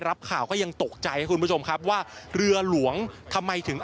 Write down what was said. รับข่าวก็ยังตกใจครับคุณผู้ชมครับว่าเรือหลวงทำไมถึง